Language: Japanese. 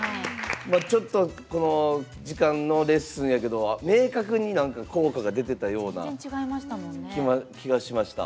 ちょっとの時間のレッスンやけど明確に効果が出てたような気がしました。